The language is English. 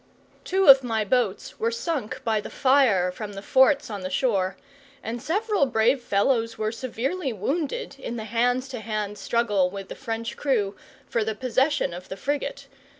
Two of my boats were sunk by the fire from the forts on the shore, and several brave fellows were severely wounded in the hand to hand struggle with the French crew for the possession of the frigate.